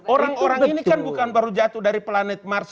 orang orang ini kan bukan baru jatuh dari planet mars